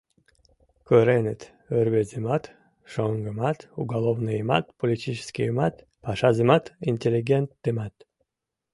Кыреныт рвезымат, шоҥгымат, уголовныйымат, политическийымат, пашазымат, интеллигентымат...